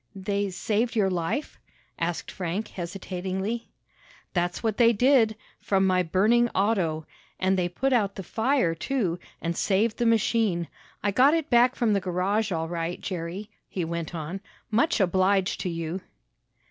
"They saved your life?" asked Frank hesitatingly. "That's what they did from my burning auto. And they put out the fire, too, and saved the machine. I got it back from the garage all right, Jerry," he went on. "Much obliged to you."